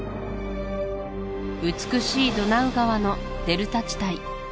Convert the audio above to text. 美しいドナウ川のデルタ地帯